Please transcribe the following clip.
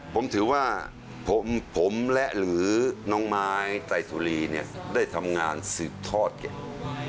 ผมถือว่าผมและหรือน้องไม้ไตสุรีเนี่ยได้ทำงานสืบทอดกัน